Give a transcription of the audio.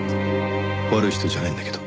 「悪い人じゃないんだけど」。